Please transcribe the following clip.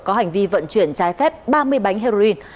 có hành vi vận chuyển trái phép ba mươi bánh heroin